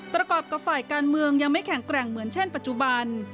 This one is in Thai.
ประกอบกับฝ่ายการเมืองยังไม่แข็งแกร่งเหมือนเช่นปัจจุบัน